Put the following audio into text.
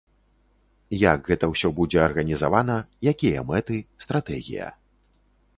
Як гэта ўсё будзе арганізавана, якія мэты, стратэгія.